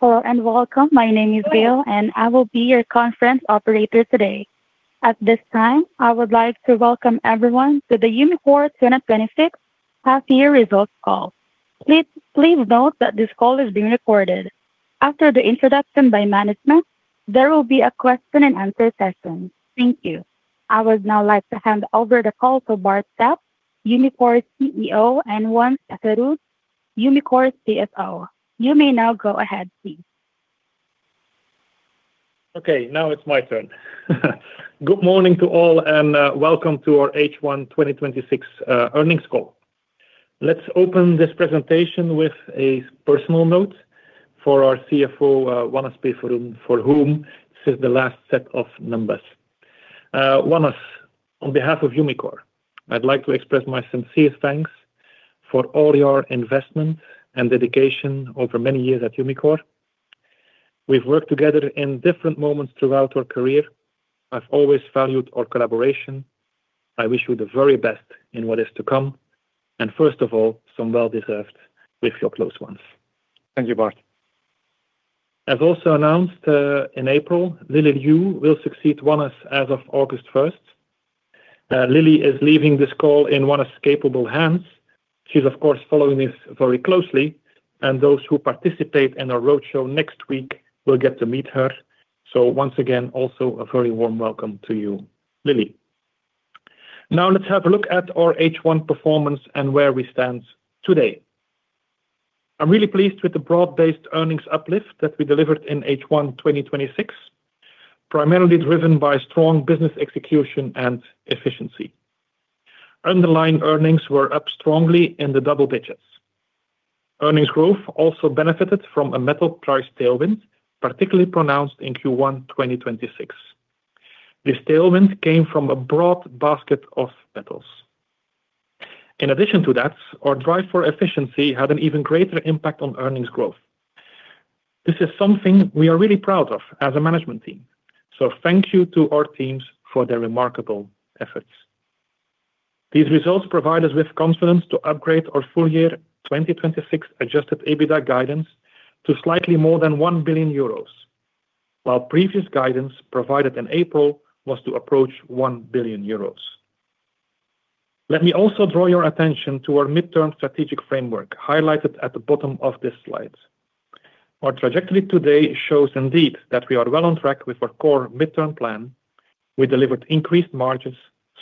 Hello and welcome. My name is Gail and I will be your conference operator today. At this time, I would like to welcome everyone to the Umicore 2026 Half-Year Results Call. Please note that this call is being recorded. After the introduction by management, there will be a question and answer session. Thank you. I would now like to hand over the call to Bart Sap, Umicore CEO, and Wannes Peferoen, Umicore CFO. You may now go ahead, please. Okay, now it's my turn. Good morning to all and welcome to our H1 2026 earnings call. Let's open this presentation with a personal note for our CFO, Wannes Peferoen, for whom this is the last set of numbers. Wannes, on behalf of Umicore, I'd like to express my sincerest thanks for all your investment and dedication over many years at Umicore. We've worked together in different moments throughout our career. I've always valued our collaboration. I wish you the very best in what is to come, and first of all, some well deserved with your close ones. Thank you, Bart. As also announced, in April, Lily Liu will succeed Wannes as of August 1st. Lily is leaving this call in Wannes's capable hands. She's of course, following this very closely, and those who participate in our road show next week will get to meet her. Once again, also a very warm welcome to you, Lily. Now let's have a look at our H1 performance and where we stand today. I'm really pleased with the broad-based earnings uplift that we delivered in H1 2026, primarily driven by strong business execution and efficiency. Underlying earnings were up strongly in the double digits. Earnings growth also benefited from a metal price tailwind, particularly pronounced in Q1 2026. This tailwind came from a broad basket of metals. In addition to that, our drive for efficiency had an even greater impact on earnings growth. This is something we're really proud off as a management team. Thank you to our teams for their remarkable efforts. These results provide us with confidence to upgrade our full year 2026 adjusted EBITDA guidance to slightly more than 1 billion euros, while previous guidance provided in April was to approach 1 billion euros. Let me also draw your attention to our mid-term strategic framework highlighted at the bottom of this slide. Our trajectory today shows indeed that we are well on track with our core mid-term plan. We delivered increased margins,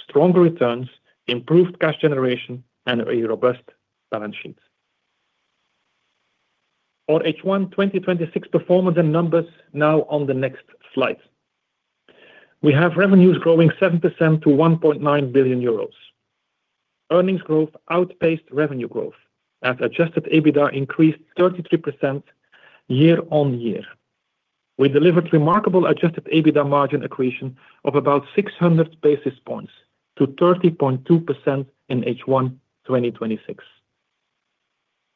stronger returns, improved cash generation, and a robust balance sheet. Our H1 2026 performance and numbers now on the next slide. We have revenues growing 7% to 1.9 billion euros. Earnings growth outpaced revenue growth as adjusted EBITDA increased 33% year-on-year. We delivered remarkable adjusted EBITDA margin accretion of about 600 basis points to 30.2% in H1 2026.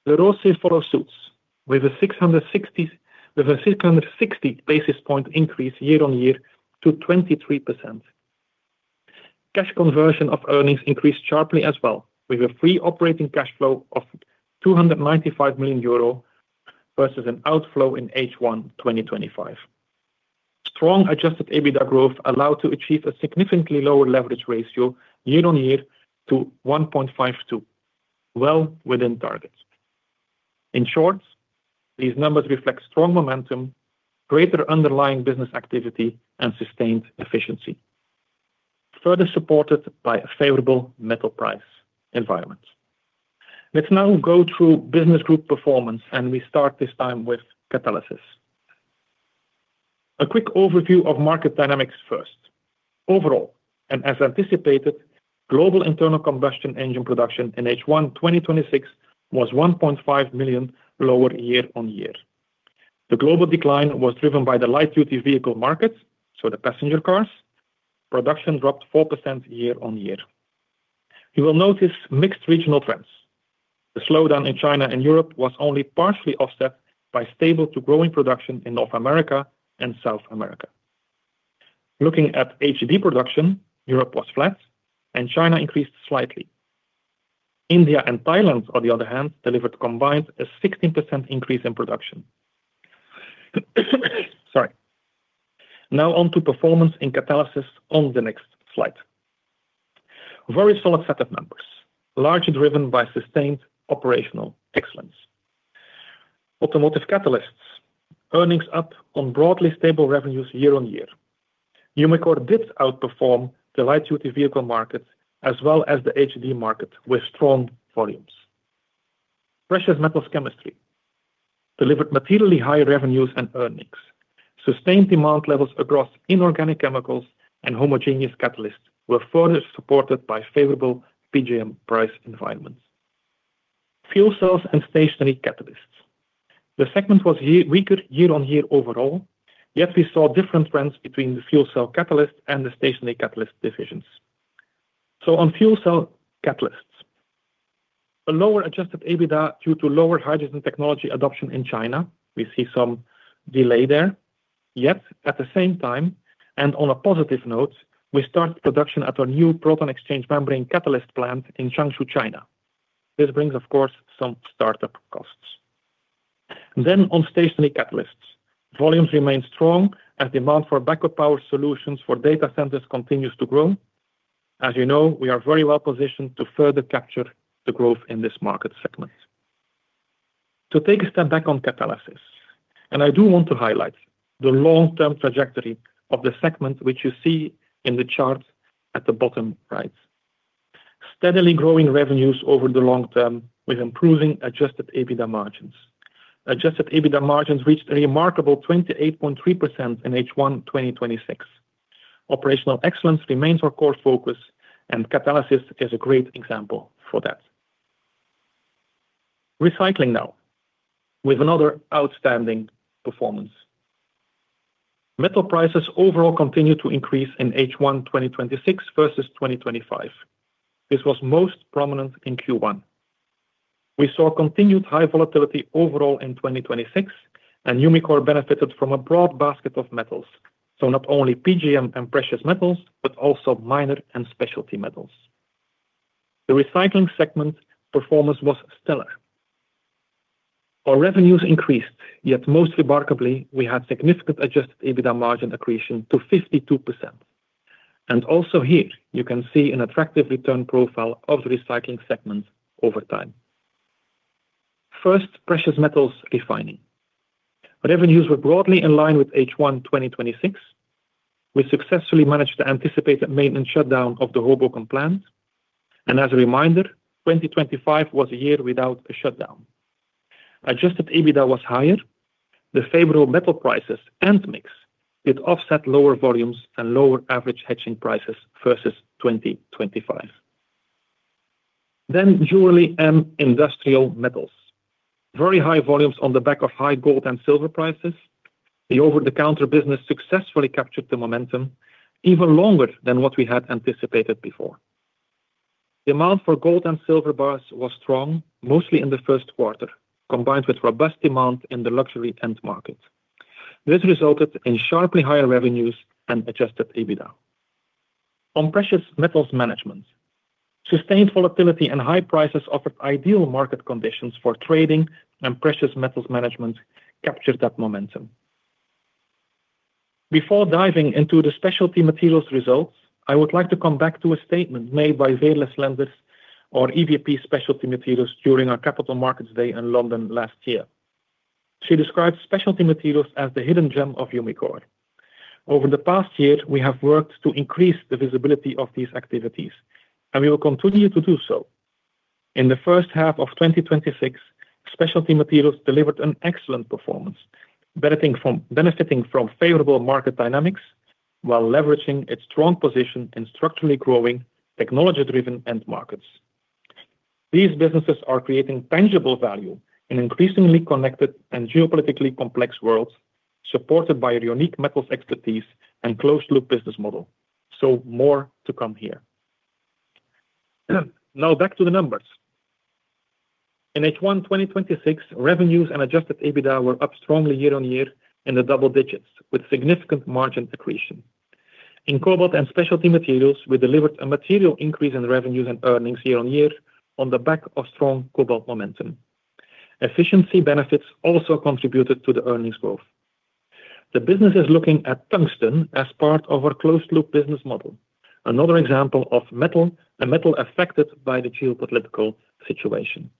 The ROCE followed suit with a 660 basis points increase year-on-year to 23%. Cash conversion of earnings increased sharply as well, with a free operating cash flow of 295 million euro versus an outflow in H1 2025. Strong adjusted EBITDA growth allowed to achieve a significantly lower leverage ratio year-over-year to 1.52x, well within targets. In short, these numbers reflect strong momentum, greater underlying business activity, and sustained efficiency, further supported by a favorable metal price environment. Let's now go through business group performance. We start this time with Catalysis. A quick overview of market dynamics first. Overall, as anticipated, global internal combustion engine production in H1 2026 was 1.5 million lower year-on-year. The global decline was driven by the light duty vehicle market, so the passenger cars. Production dropped 4% year-on-year. You will notice mixed regional trends. The slowdown in China and Europe was only partially offset by stable to growing production in North America and South America. Looking at HDD production, Europe was flat and China increased slightly. India and Thailand, on the other hand, delivered combined a 16% increase in production. Sorry. Now on to performance in Catalysis on the next slide. Very solid set of numbers, largely driven by sustained operational excellence. Automotive Catalysts. Earnings up on broadly stable revenues year-on-year. Umicore did outperform the light duty vehicle market as well as the HDD market with strong volumes. Precious Metals Chemistry delivered materially higher revenues and earnings. Sustained demand levels across inorganic chemicals and homogeneous catalysts were further supported by favorable PGM price environments. Fuel Cell & Stationary Catalysts. The segment was weaker year-on-year overall, yet we saw different trends between the fuel cell catalyst and the stationary catalyst divisions. On fuel cell catalysts, a lower adjusted EBITDA due to lower hydrogen technology adoption in China. We see some delay there. Yet at the same time, on a positive note, we start production at our new proton exchange membrane catalyst plant in Jiangsu, China. This brings, of course, some startup costs. On stationary catalysts. Volumes remain strong as demand for backup power solutions for data centers continues to grow. As you know, we are very well positioned to further capture the growth in this market segment. To take a step back on Catalysis, I do want to highlight the long-term trajectory of the segment, which you see in the chart at the bottom right. Steadily growing revenues over the long term with improving adjusted EBITDA margins. Adjusted EBITDA margins reached a remarkable 28.3% in H1 2026. Operational excellence remains our core focus. Catalysis is a great example for that. Recycling now, with another outstanding performance. Metal prices overall continued to increase in H1 2026 versus 2025. This was most prominent in Q1. We saw continued high volatility overall in 2026. Umicore benefited from a broad basket of metals, so not only PGM and precious metals, but also minor and specialty metals. The Recycling segment performance was stellar. Our revenues increased, yet most remarkably, we had significant adjusted EBITDA margin accretion to 52%. Also here you can see an attractive return profile of the Recycling segment over time. First, Precious Metals Refining. Our revenues were broadly in line with H1 2026. We successfully managed to anticipate a maintenance shutdown of the Hoboken plant. As a reminder, 2025 was a year without a shutdown. Adjusted EBITDA was higher. The favorable metal prices and mix did offset lower volumes and lower average hedging prices versus 2025. Jewelry & Industrial Metals. Very high volumes on the back of high gold and silver prices. The over-the-counter business successfully captured the momentum even longer than what we had anticipated before. Demand for gold and silver bars was strong mostly in the first quarter, combined with robust demand in the luxury end market. This resulted in sharply higher revenues and adjusted EBITDA. On Precious Metals Management, sustained volatility and high prices offered ideal market conditions for trading. Precious Metals Management captured that momentum. Before diving into the Specialty Materials results, I would like to come back to a statement made by Veerle Slenders, our EVP Specialty Materials during our Capital Markets Day in London last year. She described Specialty Materials as the hidden gem of Umicore. Over the past year, we have worked to increase the visibility of these activities. We will continue to do so. In the first half of 2026, Specialty Materials delivered an excellent performance, benefiting from favorable market dynamics while leveraging its strong position in structurally growing technology-driven end markets. These businesses are creating tangible value in increasingly connected and geopolitically complex worlds, supported by a unique metals expertise and closed-loop business model. More to come here. Back to the numbers. In H1 2026, revenues and adjusted EBITDA were up strongly year-on-year in the double digits, with significant margin accretion. In Cobalt & Specialty Materials, we delivered a material increase in revenues and earnings year-on-year on the back of strong cobalt momentum. Efficiency benefits also contributed to the earnings growth. The business is looking at tungsten as part of our closed-loop business model. Another example of a metal affected by the geopolitical situation.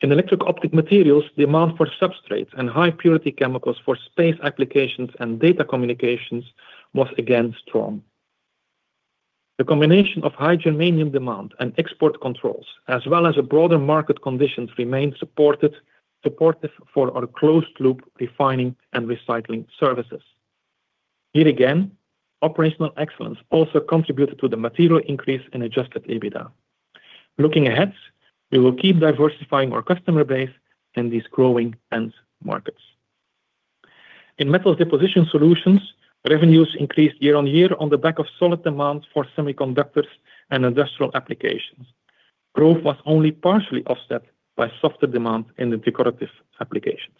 In Electro-Optic Materials, demand for substrates and high-purity chemicals for space applications and data communications was again strong. The combination of high germanium demand and export controls, as well as broader market conditions remain supportive for our closed-loop refining and recycling services. Here again, operational excellence also contributed to the material increase in adjusted EBITDA. Looking ahead, we will keep diversifying our customer base in these growing end markets. In Metal Deposition Solutions, revenues increased year on year on the back of solid demand for semiconductors and industrial applications. Growth was only partially offset by softer demand in the decorative applications.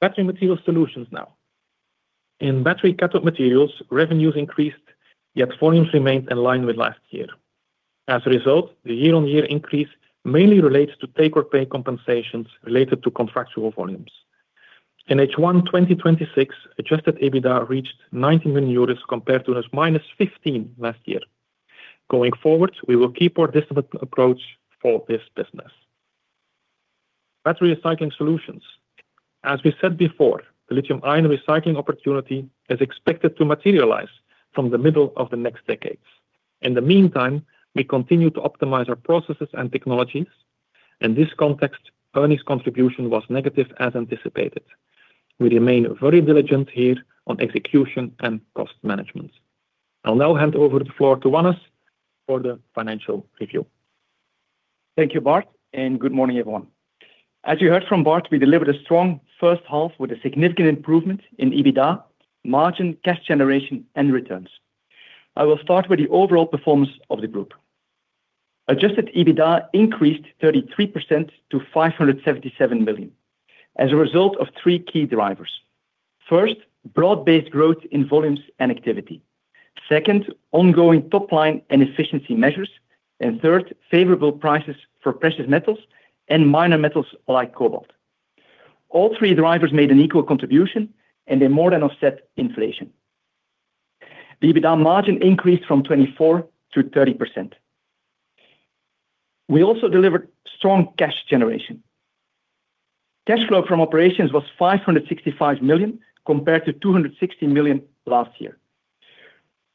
Battery Materials Solutions now. In Battery Cathode Materials, revenues increased, yet volumes remained in line with last year. As a result, the year-on-year increase mainly relates to take-or-pay compensations related to contractual volumes. In H1 2026, adjusted EBITDA reached 90 million euros compared to -15 million last year. Going forward, we will keep our disciplined approach for this business. Battery Recycling Solutions. As we said before, the lithium-ion recycling opportunity is expected to materialize from the middle of the next decades. In the meantime, we continue to optimize our processes and technologies. In this context, earnings contribution was negative as anticipated. We remain very diligent here on execution and cost management. I will now hand over the floor to Wannes for the financial review. Thank you, Bart, and good morning, everyone. As you heard from Bart, we delivered a strong first half with a significant improvement in EBITDA, margin, cash generation, and returns. I will start with the overall performance of the group. Adjusted EBITDA increased 33% to 577 million as a result of three key drivers. First, broad-based growth in volumes and activity. Second, ongoing top line and efficiency measures. Third, favorable prices for precious metals and minor metals like cobalt. All three drivers made an equal contribution, and they more than offset inflation. The EBITDA margin increased from 24%-30%. We also delivered strong cash generation. Cash flow from operations was 565 million compared to 260 million last year.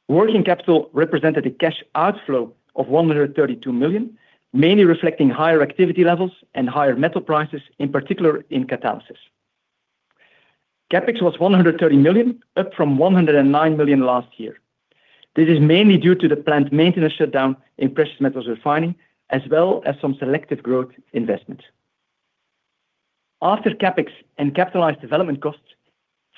Working capital represented a cash outflow of 132 million, mainly reflecting higher activity levels and higher metal prices, in particular in Catalysis. CapEx was 130 million, up from 109 million last year. This is mainly due to the plant maintenance shutdown in Precious Metals Refining, as well as some selective growth investment. After CapEx and capitalized development costs,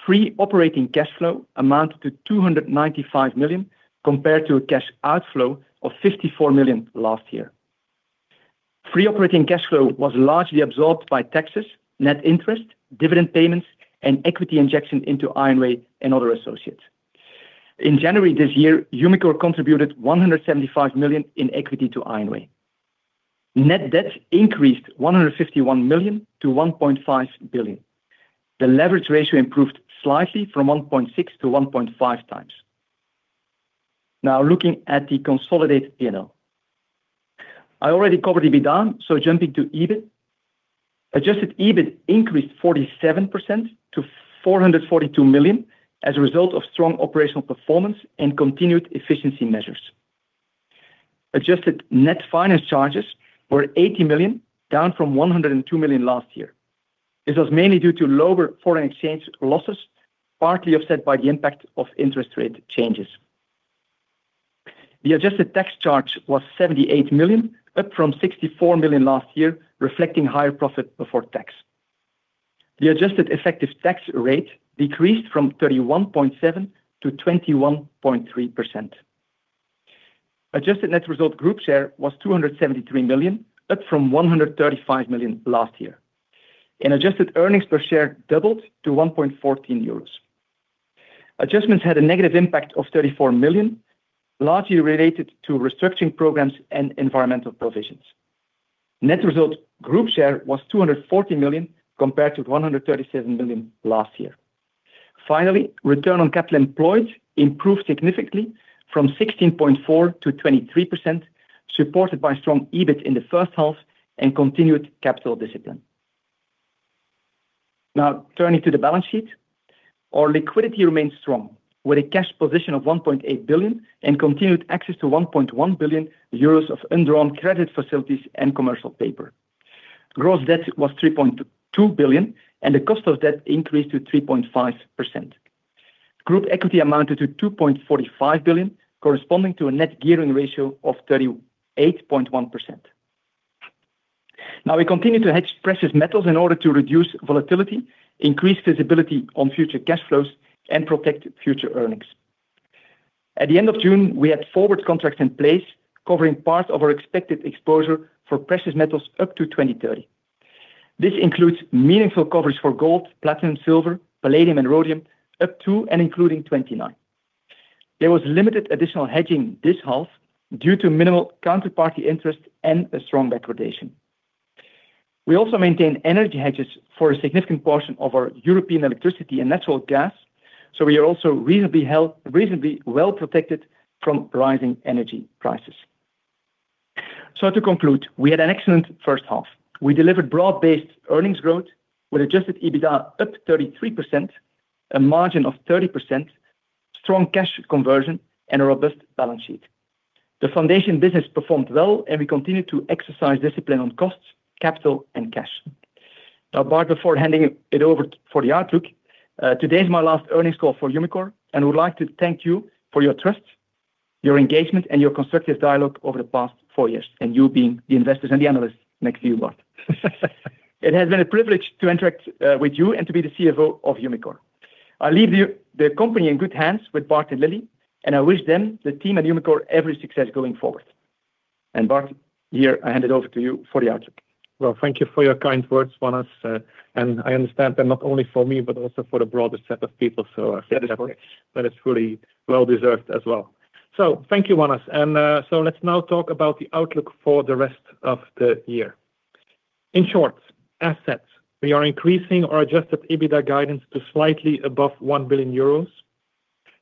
free operating cash flow amounted to 295 million compared to a cash outflow of 54 million last year. Free operating cash flow was largely absorbed by taxes, net interest, dividend payments, and equity injection into IONWAY and other associates. In January this year, Umicore contributed 175 million in equity to IONWAY. Net debt increased 151 million to 1.5 billion. The leverage ratio improved slightly from 1.6x-1.5x. Looking at the consolidated P&L. I already covered EBITDA, so jumping to EBIT. Adjusted EBIT increased 47% to 442 million as a result of strong operational performance and continued efficiency measures. Adjusted net finance charges were 80 million, down from 102 million last year. This was mainly due to lower foreign exchange losses, partly offset by the impact of interest rate changes. The adjusted tax charge was 78 million, up from 64 million last year, reflecting higher profit before tax. The adjusted effective tax rate decreased from 31.7%-21.3%. Adjusted net result group share was 273 million, up from 135 million last year, and adjusted earnings per share doubled to 1.14 euros. Adjustments had a negative impact of 34 million, largely related to restructuring programs and environmental provisions. Net result group share was 240 million, compared to 137 million last year. Finally, return on capital employed improved significantly from 16.4%-23%, supported by strong EBIT in the first half and continued capital discipline. Turning to the balance sheet. Our liquidity remains strong, with a cash position of 1.8 billion and continued access to 1.1 billion euros of undrawn credit facilities and commercial paper. Gross debt was 3.2 billion, and the cost of debt increased to 3.5%. Group equity amounted to 2.45 billion, corresponding to a net gearing ratio of 38.1%. We continue to hedge precious metals in order to reduce volatility, increase visibility on future cash flows, and protect future earnings. At the end of June, we had forward contracts in place covering part of our expected exposure for precious metals up to 2030. This includes meaningful coverage for gold, platinum, silver, palladium, and rhodium up to and including 2029. There was limited additional hedging this half due to minimal counterparty interest and a strong backwardation. We also maintain energy hedges for a significant portion of our European electricity and natural gas. We are also reasonably well-protected from rising energy prices. To conclude, we had an excellent first half. We delivered broad-based earnings growth with adjusted EBITDA up 33%, a margin of 30%, strong cash conversion, and a robust balance sheet. The foundation business performed well, and we continued to exercise discipline on costs, capital, and cash. Bart, before handing it over for the outlook, today is my last earnings call for Umicore, and I would like to thank you for your trust, your engagement, and your constructive dialogue over the past four years, and you being the investors and the analysts next to you, Bart. It has been a privilege to interact with you and to be the CFO of Umicore. I leave the company in good hands with Bart and Lily, and I wish them, the team at Umicore, every success going forward. Bart, here, I hand it over to you for the outlook. Thank you for your kind words, Wannes. I understand they're not only for me, but also for the broader set of people, so I think- Yes. that it's really well deserved as well. Thank you, Wannes. Let's now talk about the outlook for the rest of the year. In short, assets. We are increasing our adjusted EBITDA guidance to slightly above 1 billion euros.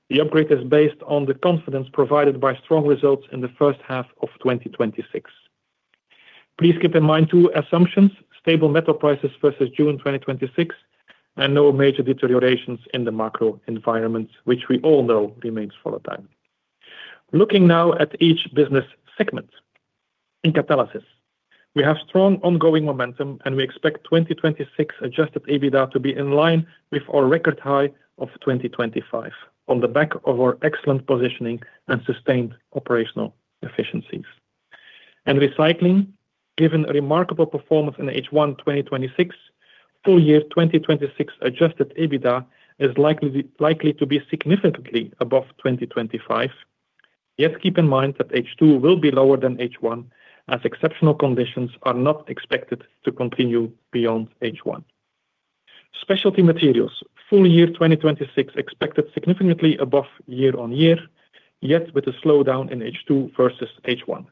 The upgrade is based on the confidence provided by strong results in the first half of 2026. Please keep in mind two assumptions. Stable metal prices versus June 2026, and no major deteriorations in the macro environment, which we all know remains for a time. Looking now at each business segment. In Catalysis, we have strong ongoing momentum, and we expect 2026 adjusted EBITDA to be in line with our record high of 2025 on the back of our excellent positioning and sustained operational efficiencies. In Recycling, given a remarkable performance in H1 2026, full year 2026 adjusted EBITDA is likely to be significantly above 2025. Keep in mind that H2 will be lower than H1, as exceptional conditions are not expected to continue beyond H1. Specialty Materials. Full year 2026 expected significantly above year-on-year, yet with a slowdown in H2 versus H1.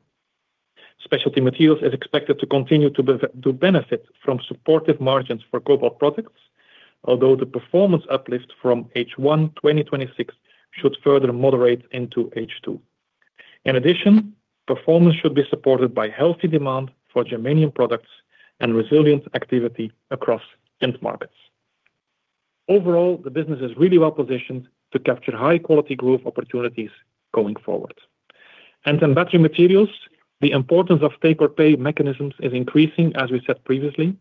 Specialty Materials is expected to continue to benefit from supportive margins for cobalt products, although the performance uplift from H1 2026 should further moderate into H2. Performance should be supported by healthy demand for germanium products and resilient activity across end markets. The business is really well-positioned to capture high-quality growth opportunities going forward. Battery Materials. The importance of take-or-pay mechanisms is increasing, as we said previously,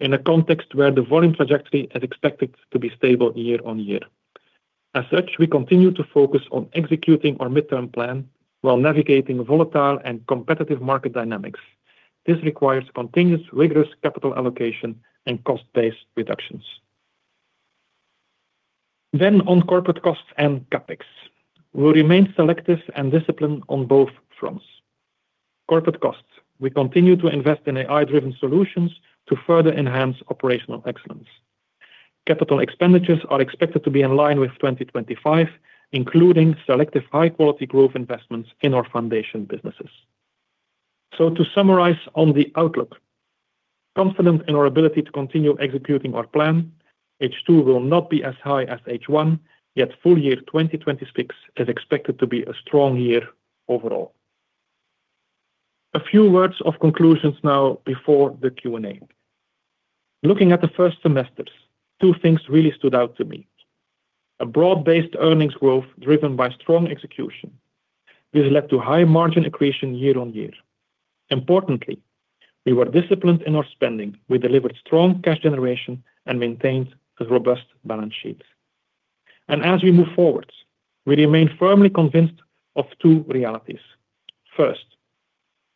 in a context where the volume trajectory is expected to be stable year-on-year. We continue to focus on executing our mid-term plan while navigating volatile and competitive market dynamics. This requires continuous rigorous capital allocation and cost base reductions. On corporate costs and CapEx. We will remain selective and disciplined on both fronts. Corporate costs. We continue to invest in AI-driven solutions to further enhance operational excellence. Capital expenditures are expected to be in line with 2025, including selective high-quality growth investments in our foundation businesses. To summarize on the outlook. Confident in our ability to continue executing our plan. H2 will not be as high as H1, full year 2026 is expected to be a strong year overall. A few words of conclusions now before the Q&A. Looking at the first semesters, two things really stood out to me. A broad-based earnings growth driven by strong execution. This led to high margin accretion year-on-year. We were disciplined in our spending. We delivered strong cash generation and maintained robust balance sheets. As we move forward, we remain firmly convinced of two realities.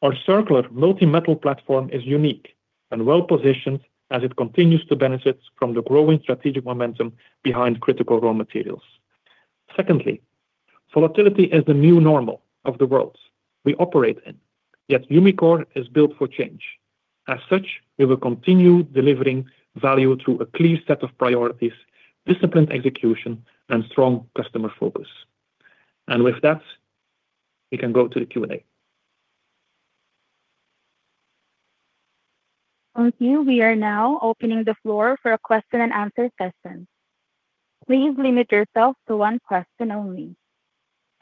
Our circular multi-metal platform is unique and well-positioned as it continues to benefit from the growing strategic momentum behind critical raw materials. Volatility is the new normal of the world we operate in, Umicore is built for change. We will continue delivering value through a clear set of priorities, disciplined execution, and strong customer focus. With that, we can go to the Q&A. Thank you. We are now opening the floor for a question-and-answer session. Please limit yourself to one question only.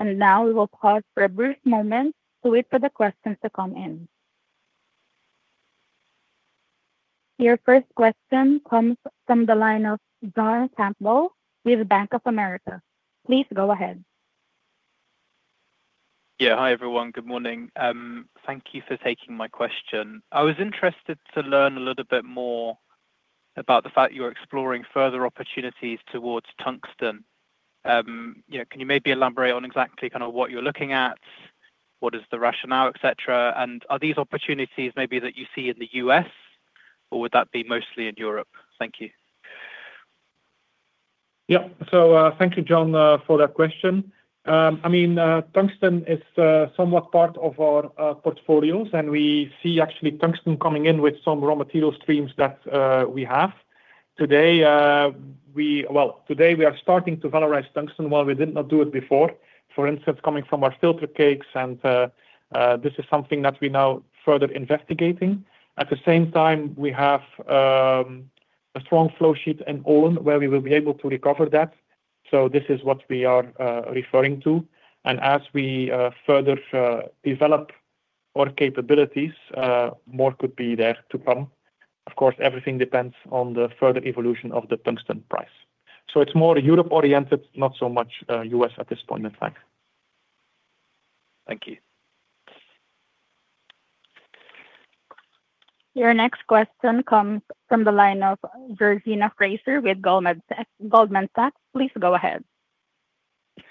Now we will pause for a brief moment to wait for the questions to come in. Your first question comes from the line of John Campbell with Bank of America. Please go ahead. Hi, everyone. Good morning. Thank you for taking my question. I was interested to learn a little bit more about the fact you are exploring further opportunities towards tungsten. Can you maybe elaborate on exactly what you are looking at? What is the rationale, et cetera? Are these opportunities maybe that you see in the U.S., or would that be mostly in Europe? Thank you. Thank you, John, for that question. Tungsten is somewhat part of our portfolios. We see actually tungsten coming in with some raw material streams that we have. Today we are starting to valorize tungsten while we did not do it before. For instance, coming from our filter cakes, this is something that we now further investigating. At the same time, we have a strong flow sheet in Olen where we will be able to recover that. This is what we are referring to. As we further develop our capabilities, more could be there to come. Of course, everything depends on the further evolution of the tungsten price. It is more Europe-oriented, not so much U.S. at this point in time. Thank you. Your next question comes from the line of Georgina Fraser with Goldman Sachs. Please go ahead.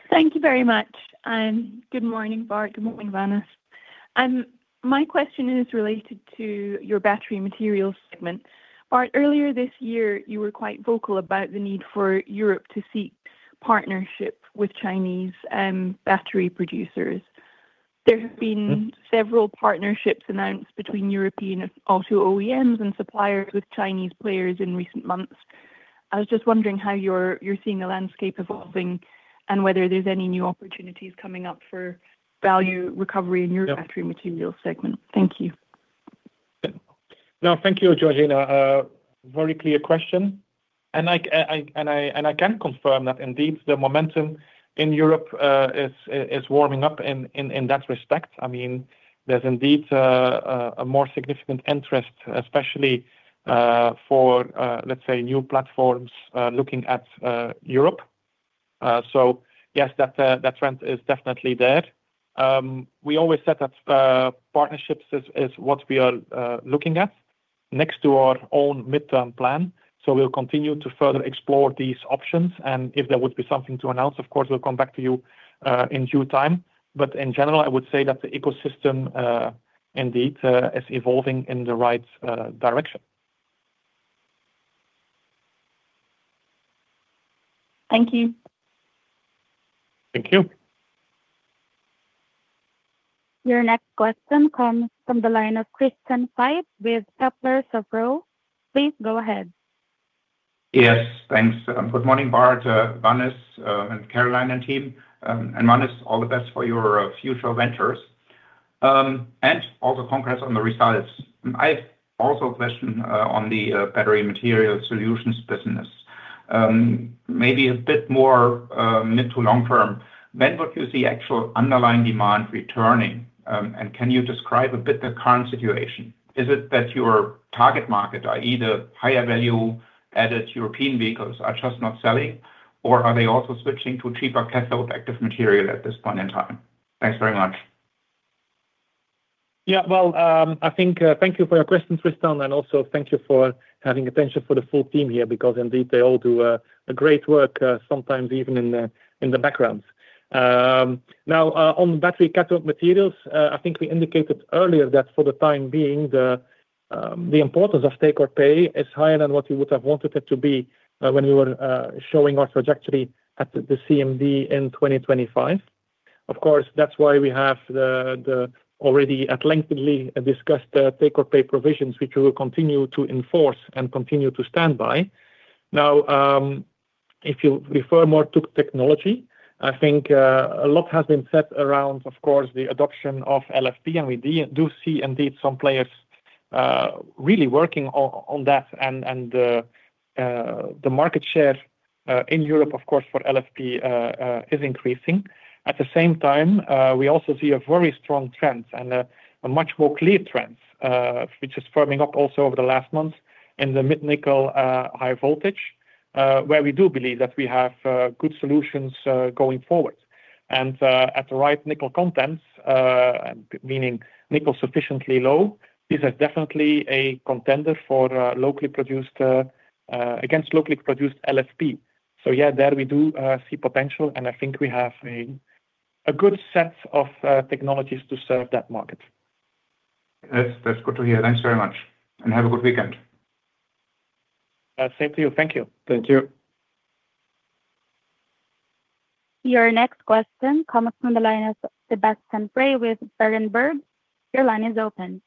Thank you very much. Good morning, Bart. Good morning, Wannes. My question is related to your Battery Materials segment. Bart, earlier this year, you were quite vocal about the need for Europe to seek partnership with Chinese battery producers. There have been several partnerships announced between European auto OEMs and suppliers with Chinese players in recent months. I was just wondering how you are seeing the landscape evolving and whether there is any new opportunities coming up for value recovery in your Battery Materials segment. Thank you. No, thank you, Georgina. Very clear question. I can confirm that indeed the momentum in Europe is warming up in that respect. There is indeed a more significant interest, especially for, let us say, new platforms looking at Europe. Yes, that trend is definitely there. We always said that partnerships is what we are looking at next to our own mid-term plan. We will continue to further explore these options, and if there would be something to announce, of course, we will come back to you in due time. In general, I would say that the ecosystem indeed is evolving in the right direction. Thank you. Thank you. Your next question comes from the line of Christian Faitz with Kepler Cheuvreux. Please go ahead. Yes, thanks. Good morning, Bart, Wannes, Caroline, and team. Wannes, all the best for your future ventures. Also congrats on the results. I also have a question on the Battery Materials Solutions business. Maybe a bit more mid to long-term. When would you see actual underlying demand returning? Can you describe a bit the current situation? Is it that your target market are either higher value added European vehicles are just not selling, or are they also switching to cheaper cathode active material at this point in time? Thanks very much. Yeah. Thank you for your question, Christian, and also thank you for having attention for the full team here, because indeed, they all do great work, sometimes even in the background. Now, on Battery Cathode Materials, I think we indicated earlier that for the time being, the importance of take-or-pay is higher than what we would have wanted it to be when we were showing our trajectory at the CMD in 2025. Of course, that's why we have already at length discussed the take-or-pay provisions, which we will continue to enforce and continue to stand by. Now, if you refer more to technology, I think a lot has been said around, of course, the adoption of LFP, and we do see indeed some players really working on that, and the market share in Europe, of course, for LFP is increasing. At the same time, we also see a very strong trend, and a much more clear trend, which is firming up also over the last month in the mid nickel high voltage, where we do believe that we have good solutions going forward. At the right nickel contents, meaning nickel sufficiently low, this is definitely a contender against locally produced LFP. Yeah, there we do see potential, and I think we have a good set of technologies to serve that market. That's good to hear. Thanks very much, and have a good weekend. Same to you. Thank you. Thank you. Your next question comes from the line of Sebastian Bray with Berenberg. Your line is open.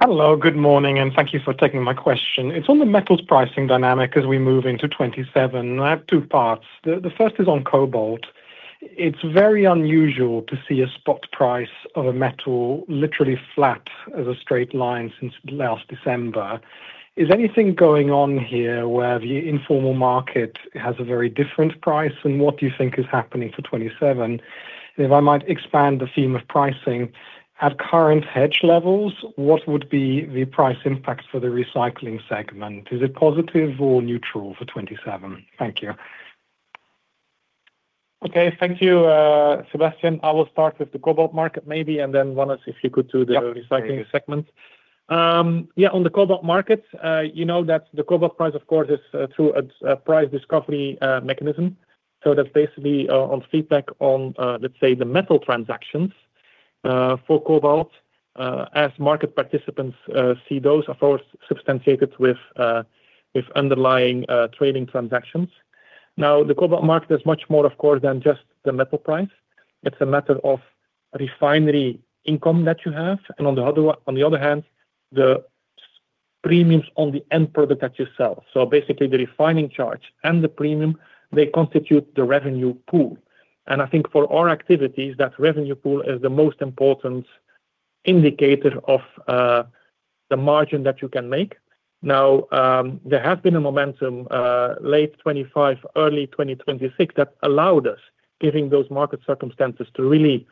Hello, good morning. Thank you for taking my question. It's on the metals pricing dynamic as we move into 2027. I have two parts. The first is on cobalt. It's very unusual to see a spot price of a metal literally flat as a straight line since last December. Is anything going on here where the informal market has a very different price, and what do you think is happening for 2027? If I might expand the theme of pricing, at current hedge levels, what would be the price impact for the Recycling segment? Is it positive or neutral for 2027? Thank you. Okay. Thank you, Sebastian. I will start with the cobalt market maybe, and then Wannes, if you could do the Recycling segment. Yeah. On the cobalt market, you know that the cobalt price, of course, is through a price discovery mechanism. That's basically on feedback on, let's say, the metal transactions for cobalt, as market participants see those, of course, substantiated with underlying trading transactions. The cobalt market is much more, of course, than just the metal price. It's a matter of refinery income that you have, and on the other hand, the premiums on the end product that you sell. Basically, the refining charge and the premium, they constitute the revenue pool. I think for our activities, that revenue pool is the most important indicator of the margin that you can make. There has been a momentum, late 2025, early 2026, that allowed us, given those market circumstances, to really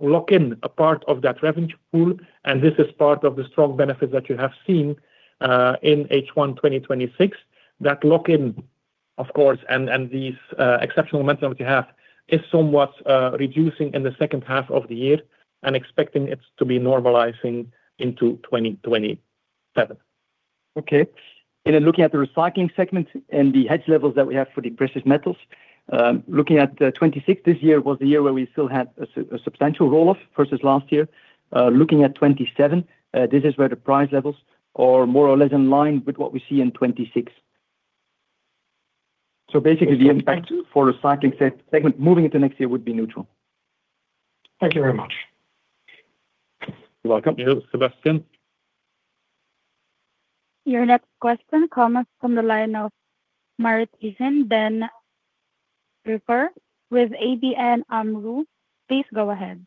lock in a part of that revenue pool, and this is part of the strong benefits that you have seen in H1 2026. That lock-in, of course, and this exceptional momentum that we have, is somewhat reducing in the second half of the year, and expecting it to be normalizing into 2027. Okay. Then looking at the Recycling segment and the hedge levels that we have for the precious metals. Looking at 2026, this year was the year where we still had a substantial roll-off versus last year. Looking at 2027, this is where the price levels are more or less in line with what we see in 2026. Basically, the impact for Recycling segment moving into next year would be neutral. Thank you very much. You're welcome. Yes, Sebastian. Your next question comes from the line of Martijn den Drijver with ABN AMRO. Please go ahead.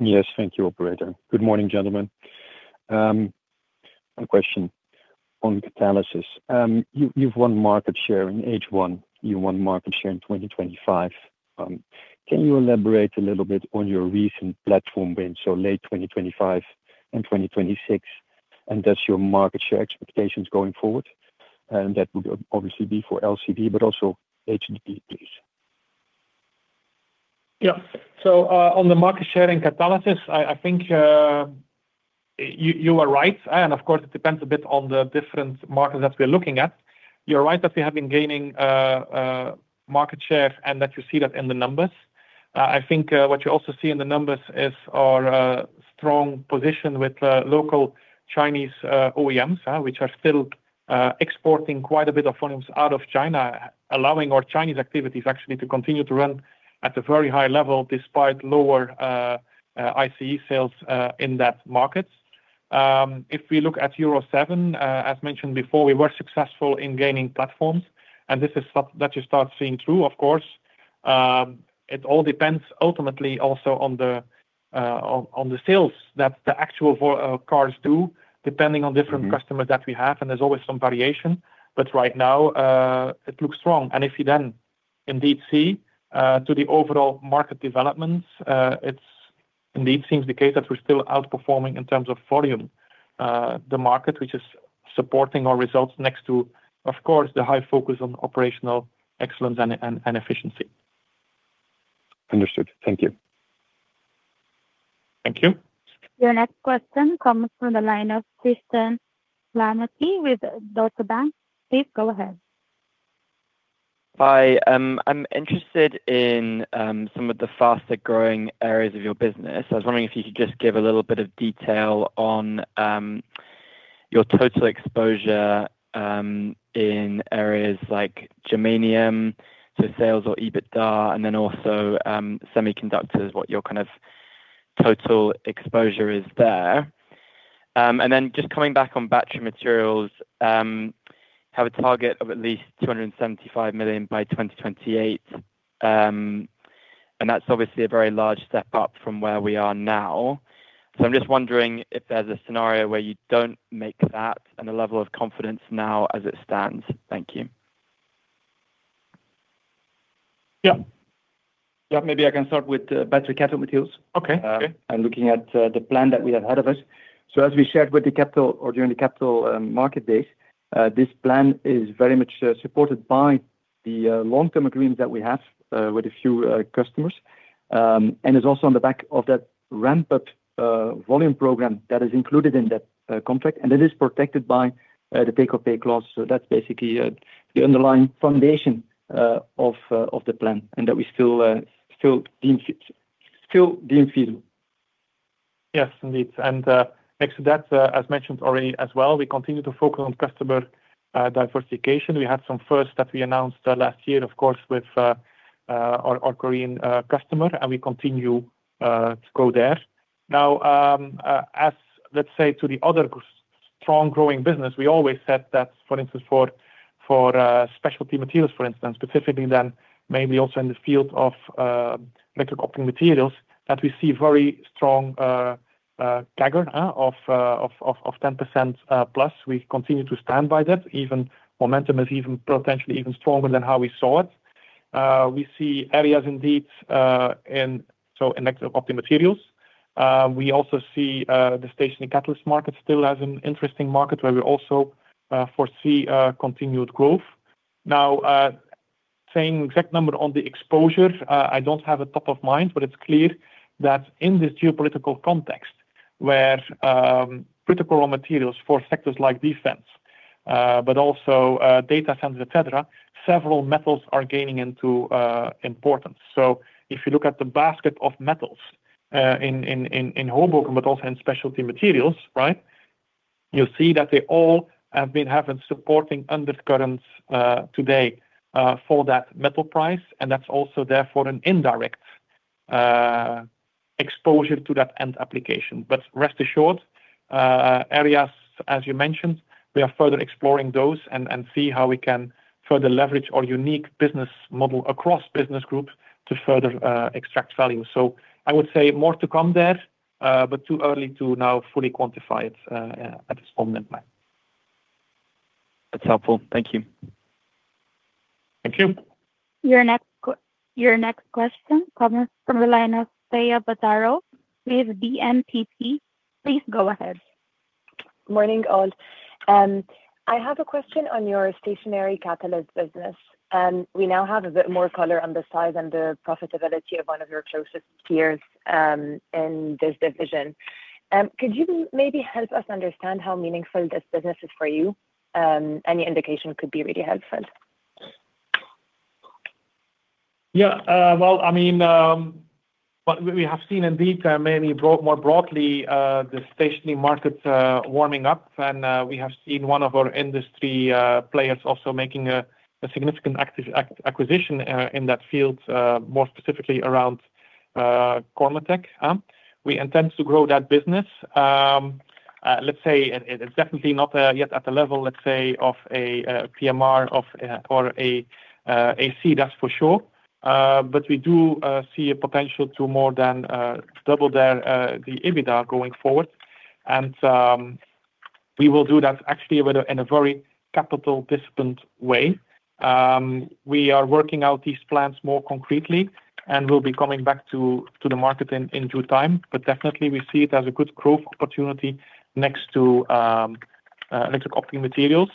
Yes. Thank you, operator. Good morning, gentlemen. One question on Catalysis. You've won market share in H1. You won market share in 2025. Can you elaborate a little bit on your recent platform win, so late 2025 and 2026? That's your market share expectations going forward? That would obviously be for LCV, but also HGV, please. On the market share in Catalysis, I think you are right. Of course, it depends a bit on the different markets that we're looking at. You're right that we have been gaining market share, and that you see that in the numbers. I think what you also see in the numbers is our strong position with local Chinese OEMs, which are still exporting quite a bit of volumes out of China, allowing our Chinese activities actually to continue to run at a very high level despite lower ICE sales in that market. If we look at Euro 7, as mentioned before, we were successful in gaining platforms, and this is stuff that you start seeing through, of course. It all depends ultimately also on the sales that the actual cars do, depending on different customers that we have, and there's always some variation. Right now, it looks strong. If you then indeed see to the overall market developments, it indeed seems the case that we're still outperforming in terms of volume. The market, which is supporting our results next to, of course, the high focus on operational excellence and efficiency. Understood. Thank you. Thank you. Your next question comes from the line of Tristan Lamotte with Deutsche Bank. Please go ahead. Hi. I am interested in some of the faster-growing areas of your business. I was wondering if you could just give a little bit of detail on your total exposure in areas like germanium, so sales or EBITDA, and then also semiconductors, what your kind of total exposure is there. Coming back on Battery Materials, have a target of at least 275 million by 2028. That is obviously a very large step up from where we are now. I am just wondering if there is a scenario where you do not make that and the level of confidence now as it stands. Thank you. Yeah. Maybe I can start with Battery Cathode Materials. Okay. Looking at the plan that we have ahead of us. As we shared during the Capital Market Days, this plan is very much supported by the long-term agreements that we have with a few customers, and is also on the back of that ramped volume program that is included in that contract, and that is protected by the take-or-pay clause. That is basically the underlying foundation of the plan and that we still deem feasible. Yes, indeed. Next to that, as mentioned already as well, we continue to focus on customer diversification. We had some first that we announced last year, of course, with our Korean customer, and we continue to go there. As, let us say, to the other strong growing business, we always said that, for instance, for Specialty Materials, for instance, specifically then maybe also in the field of Electro-Optic Materials, that we see very strong CAGR of 10%+. We continue to stand by that. Momentum is potentially even stronger than how we saw it. We see areas indeed in Electro-Optic Materials. We also see the stationary catalyst market still as an interesting market where we also foresee continued growth. Saying exact number on the exposure, I do not have it top of mind, but it is clear that in this geopolitical context where critical raw materials for sectors like defense, but also data centers, et cetera, several metals are gaining into importance. If you look at the basket of metals in Hoboken, but also in Specialty Materials, you'll see that they all have been having supporting undercurrents today for that metal price, and that's also therefore an indirect exposure to that end application. Rest assured, areas, as you mentioned, we are further exploring those and see how we can further leverage our unique business model across business groups to further extract value. I would say more to come there, but too early to now fully quantify it at this moment in time. That's helpful. Thank you. Thank you. Your next question comes from the line of Thea Badaro with BNP. Please go ahead. Morning, all. I have a question on your Stationary Catalyst business. We now have a bit more color on the size and the profitability of one of your closest peers in this division. Could you maybe help us understand how meaningful this business is for you? Any indication could be really helpful. Well, what we have seen indeed, mainly more broadly, the stationary markets warming up. We have seen one of our industry players also making a significant acquisition in that field, more specifically around Cormetech. We intend to grow that business. It's definitely not yet at the level, let's say, of a PMR or a [C], that's for sure. We do see a potential to more than double the EBITDA going forward. We will do that actually in a very capital disciplined way. We are working out these plans more concretely, and we'll be coming back to the market in due time. Definitely, we see it as a good growth opportunity next to Electro-Optic Materials.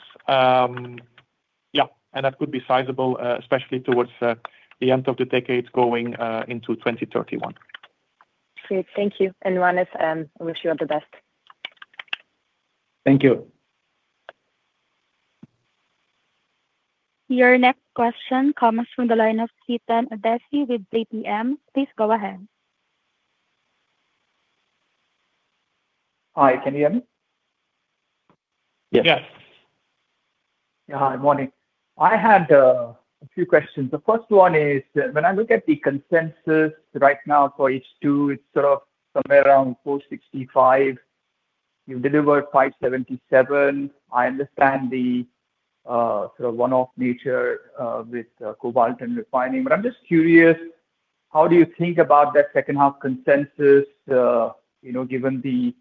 That could be sizable, especially towards the end of the decade, going into 2031. Great. Thank you. Wannes, I wish you all the best. Thank you. Your next question comes from the line of Chetan Udeshi with JPMorgan. Please go ahead. Hi, can you hear me? Yes. Yeah. Hi. Morning. I had a few questions. The first one is, when I look at the consensus right now for H2, it's sort of somewhere around 465 million. You've delivered 577 million. I understand the sort of one-off nature with cobalt and refining, I'm just curious, how do you think about that second half consensus, given the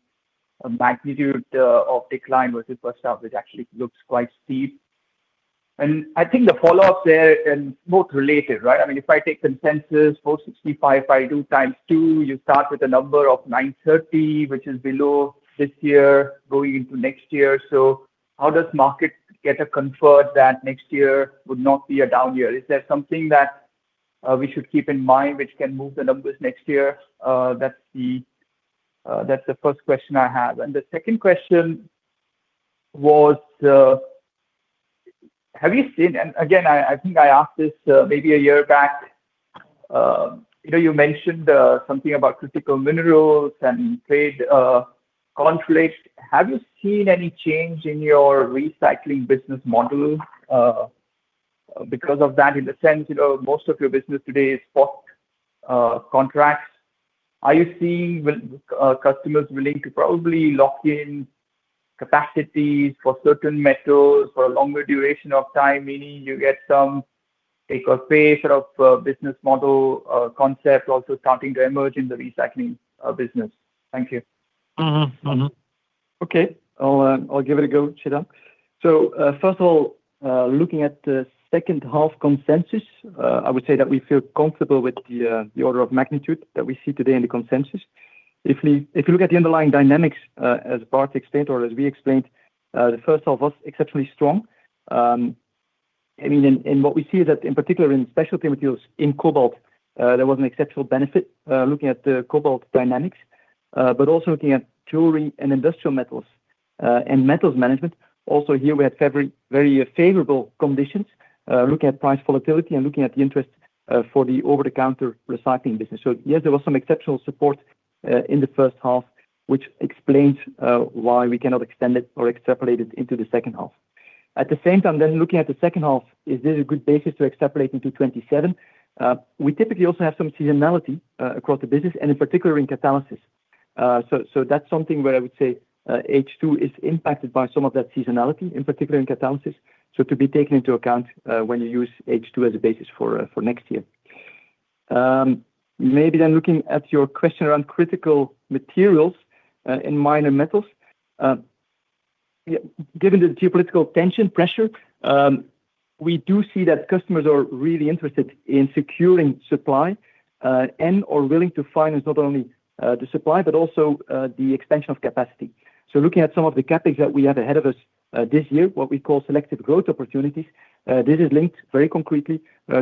magnitude of decline versus first half, which actually looks quite steep. I think the follow-up there, and both related, right? If I take consensus 465 by two times two, you start with a number of 930, which is below this year going into next year. How does market get a comfort that next year would not be a down year? Is there something that we should keep in mind which can move the numbers next year? That's the first question I have. The second question was, have you seen, again, I think I asked this maybe a year back. You mentioned something about critical minerals and trade conflicts. Have you seen any change in your recycling business model because of that? In the sense, most of your business today is spot contracts. Are you seeing customers willing to probably lock in capacities for certain metals for a longer duration of time, meaning you get some take-or-pay sort of business model concept also starting to emerge in the recycling business? Thank you. Okay. I'll give it a go, Chetan. First of all, looking at the second half consensus, I would say that we feel comfortable with the order of magnitude that we see today in the consensus. If you look at the underlying dynamics, as Bart explained, or as we explained, the first half was exceptionally strong. What we see is that in particular in Specialty Materials in cobalt, there was an exceptional benefit looking at the cobalt dynamics. Also looking at Jewelry & Industrial Metals, and Precious Metals Management, also here, we had very favorable conditions looking at price volatility and looking at the interest for the over-the-counter recycling business. Yes, there was some exceptional support in the first half, which explains why we cannot extend it or extrapolate it into the second half. At the same time, looking at the second half, is this a good basis to extrapolate into 2027? We typically also have some seasonality across the business, and in particular in Catalysis. That's something where I would say H2 is impacted by some of that seasonality, in particular in Catalysis. To be taken into account when you use H2 as a basis for next year. Maybe looking at your question around critical materials in minor metals. Given the geopolitical tension pressure, we do see that customers are really interested in securing supply, and are willing to finance not only the supply, but also the expansion of capacity. Looking at some of the CapEx that we have ahead of us this year, what we call selective growth opportunities, this is linked very concretely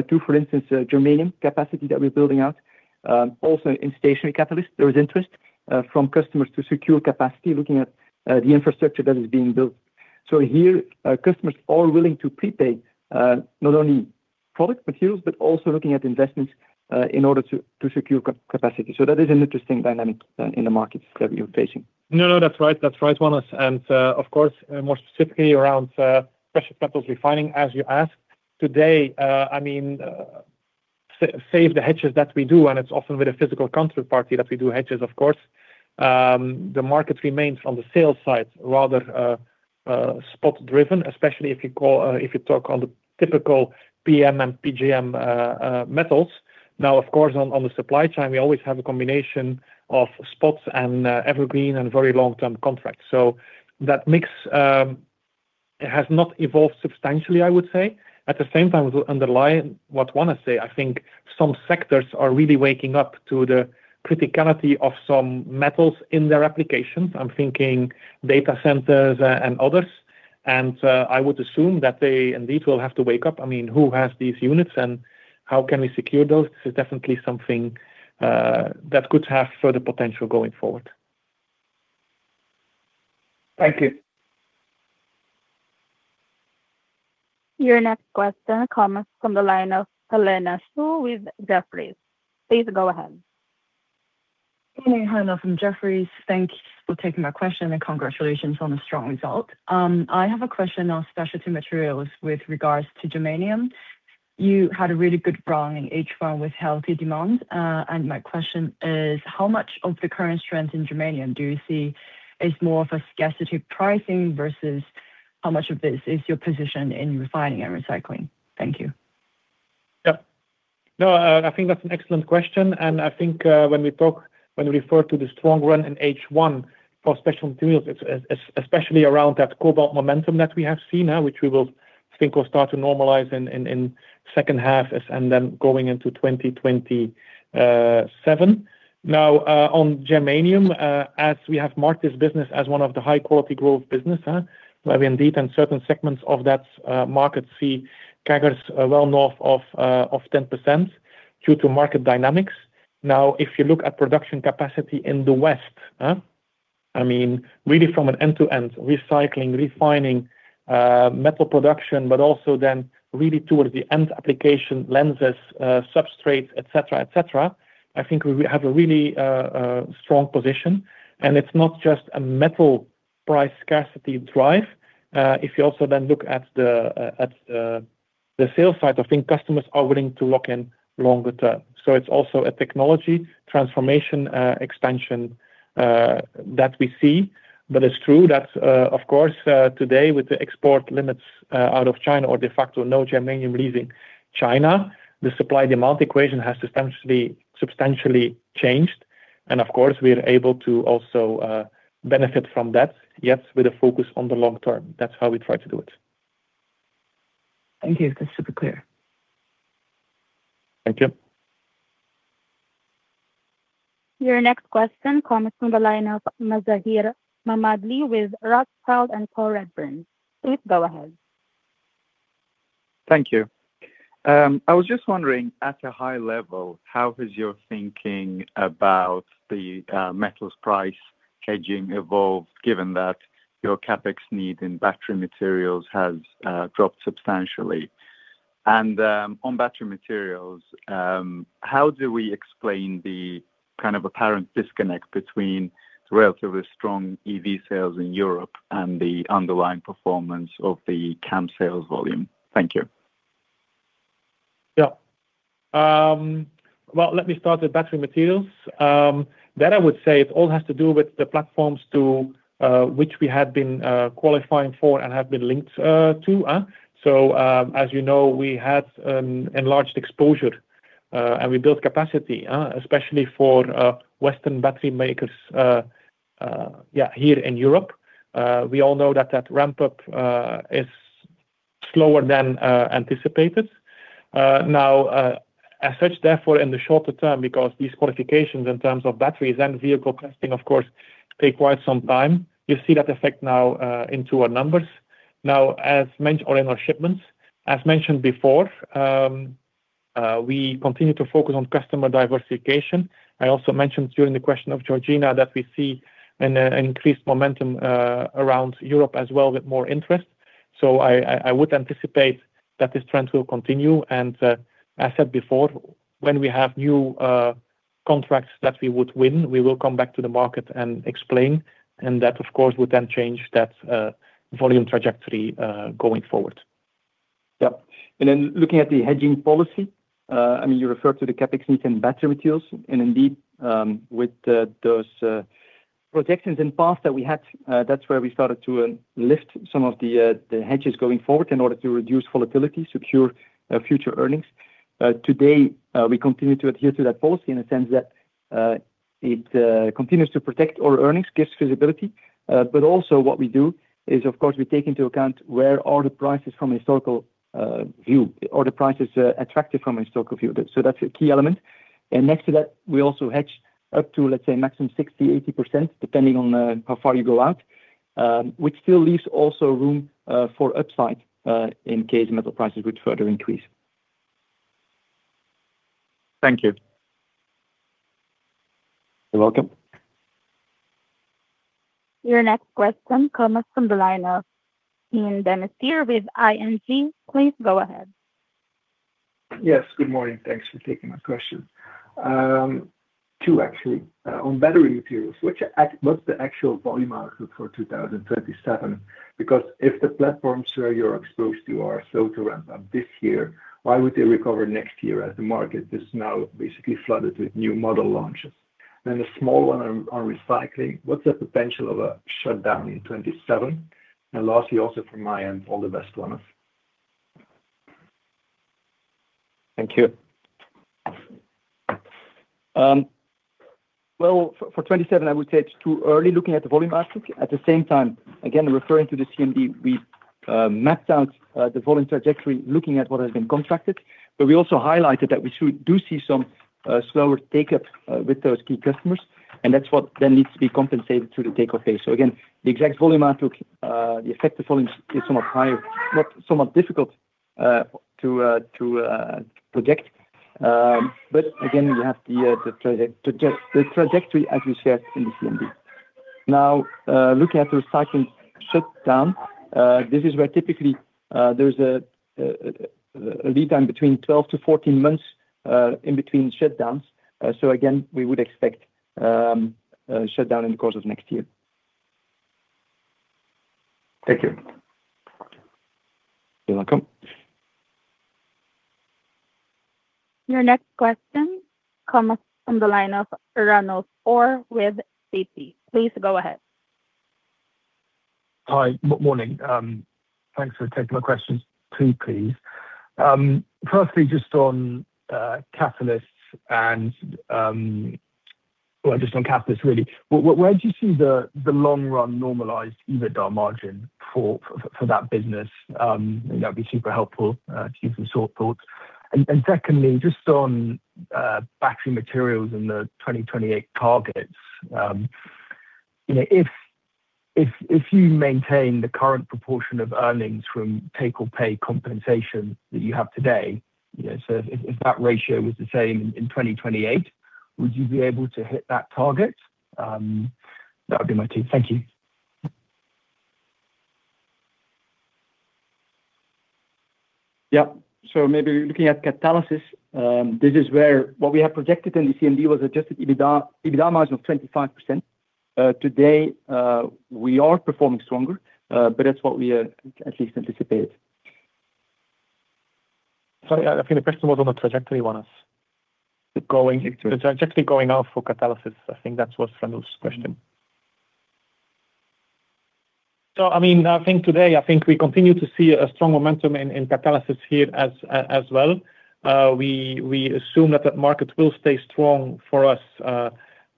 to, for instance, germanium capacity that we're building out. Also in Stationary Catalysts, there is interest from customers to secure capacity looking at the infrastructure that is being built. Here, customers are willing to prepay not only product materials, but also looking at investments in order to secure capacity. That is an interesting dynamic in the markets that we are facing. No, that's right, Wannes. Of course, more specifically around Precious Metals Refining, as you asked. Today, save the hedges that we do, and it's often with a physical counterparty that we do hedges, of course. The market remains on the sales side, rather spot driven, especially if you talk on the typical PM and PGM metals. Of course, on the supply chain, we always have a combination of spots and evergreen and very long-term contracts. That mix has not evolved substantially, I would say. At the same time, to underline what Wannes said, I think some sectors are really waking up to the criticality of some metals in their applications. I'm thinking data centers and others. I would assume that they indeed will have to wake up. Who has these units, and how can we secure those? This is definitely something that could have further potential going forward. Thank you. Your next question comes from the line of Helena Xu with Jefferies. Please go ahead. Helena from Jefferies. Thank you for taking my question and congratulations on the strong result. I have a question on Specialty Materials with regards to germanium. You had a really good run in H1 with healthy demand. My question is, how much of the current strength in germanium do you see is more of a scarcity pricing versus how much of this is your position in refining and recycling? Thank you. Yep. I think that's an excellent question. I think when we refer to the strong run in H1 for Specialty Materials, especially around that cobalt momentum that we have seen, which we will think will start to normalize in second half and then going into 2027. On germanium, as we have marked this business as one of the high-quality growth business, where we indeed in certain segments of that market see CAGRs well north of 10% due to market dynamics. If you look at production capacity in the West, really from an end-to-end recycling, refining, metal production, also then really towards the end application lenses, substrates, et cetera. I think we have a really strong position, it's not just a metal price scarcity drive. If you also then look at the sales side, I think customers are willing to lock in longer term. It's also a technology transformation expansion that we see. It's true that, of course, today with the export limits out of China or de facto no germanium leaving China, the supply/demand equation has substantially changed. Of course, we are able to also benefit from that, yet with a focus on the long term. That's how we try to do it. Thank you. That's super clear. Thank you. Your next question comes from the line of Mazahir Mammadli with Rothschild & Co Redburn. Please go ahead. Thank you. I was just wondering, at a high level, how has your thinking about the metals price hedging evolved, given that your CapEx need in Battery Materials has dropped substantially? On battery materials, how do we explain the kind of apparent disconnect between the relatively strong EV sales in Europe and the underlying performance of the CAM sales volume? Thank you. Yeah. Well, let me start with battery materials. That I would say it all has to do with the platforms to which we had been qualifying for and have been linked to. As you know, we had an enlarged exposure, and we built capacity, especially for Western battery makers here in Europe. We all know that that ramp-up is slower than anticipated. As such, therefore, in the shorter term, because these qualifications in terms of batteries and vehicle testing, of course, take quite some time. You see that effect now into our numbers. Or in our shipments. As mentioned before, we continue to focus on customer diversification. I also mentioned during the question of Georgina that we see an increased momentum around Europe as well with more interest. I would anticipate that this trend will continue. As said before, when we have new contracts that we would win, we will come back to the market and explain, and that, of course, would then change that volume trajectory going forward. Yeah. Looking at the hedging policy, you referred to the CapEx need in battery materials, and indeed, with those protections in path that we had, that's where we started to lift some of the hedges going forward in order to reduce volatility, secure future earnings. Today, we continue to adhere to that policy in the sense that it continues to protect our earnings, gives visibility. Also what we do is, of course, we take into account where are the prices from a historical view. Are the prices attractive from a historical view? That's a key element. Next to that, we also hedge up to, let's say, maximum 60%-80%, depending on how far you go out, which still leaves also room for upside in case metal prices would further increase. Thank you. You're welcome. Your next question comes from the line of Stijn Demeester with ING. Please go ahead. Yes, good morning. Thanks for taking my question. Two actually. On Battery Materials, what's the actual volume outlook for 2027? If the platforms where you're exposed to are slow to ramp up this year, why would they recover next year as the market is now basically flooded with new model launches? A small one on Recycling. What's the potential of a shutdown in 2027? Lastly, also from my end, all the best, Wannes. Thank you. Well, for 2027, I would say it's too early looking at the volume outlook. At the same time, again, referring to the CMD, we mapped out the volume trajectory looking at what has been contracted. We also highlighted that we do see some slower take-up with those key customers, and that's what then needs to be compensated through the take-or-pay. Again, the exact volume outlook, the effect of volume is somewhat difficult to project. Again, you have the trajectory as we shared in the CMD. Looking at the recycling shutdown, this is where typically there's a lead time between 12-14 months in between shutdowns. Again, we would expect a shutdown in the course of next year. Thank you. You're welcome. Your next question comes from the line of Ranulf Orr with Citi. Please go ahead. Hi. Morning. Thanks for taking my questions. Two, please. Firstly, just on catalysts. Well, just on catalysts, really. Where do you see the long-run normalized EBITDA margin for that business? That would be super helpful to hear some sort thoughts. Secondly, just on Battery Materials and the 2028 targets. If you maintain the current proportion of earnings from take-or-pay compensation that you have today, so if that ratio was the same in 2028, would you be able to hit that target? That would be my take. Thank you. Maybe looking at Catalysis, this is where what we have projected in the CMD was adjusted EBITDA margin of 25%. Today, we are performing stronger, but that's what we at least anticipate. Sorry, I think the question was on the trajectory, Wannes. The trajectory going out for Catalysis. I think that was Ranulf's question. I think today, we continue to see a strong momentum in Catalysis here as well. We assume that that market will stay strong for us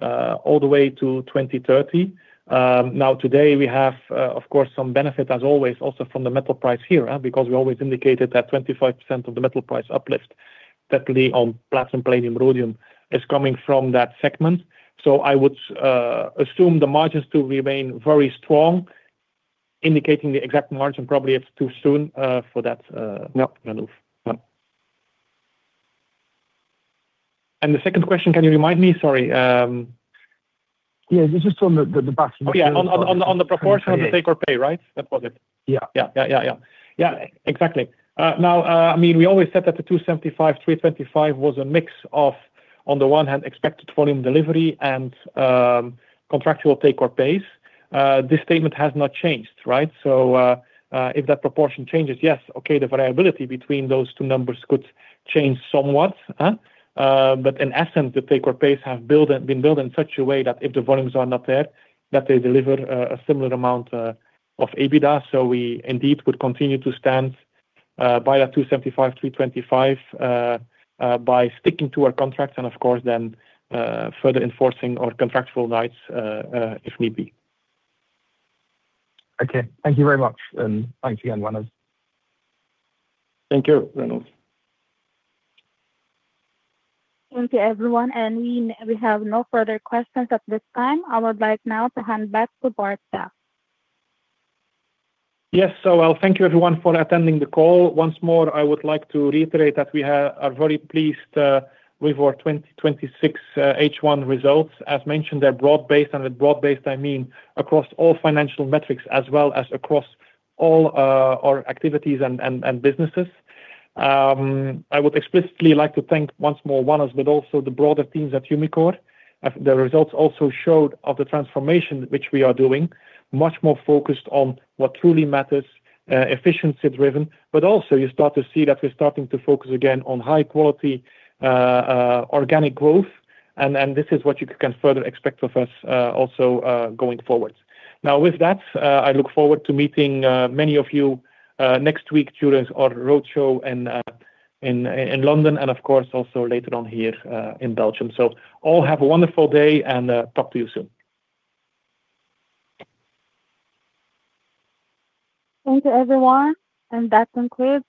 all the way to 2030. Today, we have, of course, some benefit as always, also from the metal price here, because we always indicated that 25% of the metal price uplift, certainly on platinum, palladium, rhodium is coming from that segment. I would assume the margins to remain very strong. Indicating the exact margin, probably it's too soon for that. No. No Ranulf. The second question, can you remind me? Sorry. Yeah, this is on the last. Oh, yeah. On the proportion of the pay. 2028 or pay, right? That was it. Yeah. Yeah. Exactly. We always said that the 275 million, 325 million was a mix of, on the one hand, expected volume delivery and contractual take-or-pays. This statement has not changed, right? If that proportion changes, yes, okay, the variability between those two numbers could change somewhat. In essence, the take-or-pays have been built in such a way that if the volumes are not there, that they deliver a similar amount of EBITDA. We indeed could continue to stand by that 275 million, 325 million, by sticking to our contracts and, of course, then further enforcing our contractual rights, if need be. Okay. Thank you very much. Thanks again, Wannes. Thank you, Ranulf. Thank you, everyone. We have no further questions at this time. I would like now to hand back to Bart. Yes. I'll thank you everyone for attending the call. Once more, I would like to reiterate that we are very pleased with our 2026 H1 results. As mentioned, they're broad-based, and with broad-based, I mean across all financial metrics as well as across all our activities and businesses. I would explicitly like to thank once more, Wannes, but also the broader teams at Umicore. The results also showed of the transformation which we are doing, much more focused on what truly matters, efficiency driven, but also you start to see that we're starting to focus again on high-quality organic growth. This is what you can further expect of us also going forward. With that, I look forward to meeting many of you next week during our roadshow in London and of course, also later on here in Belgium. All have a wonderful day and talk to you soon. Thank you, everyone, and that concludes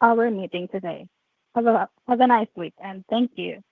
our meeting today. Have a nice week, and thank you.